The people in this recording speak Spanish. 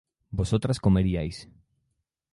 vosotras comeríais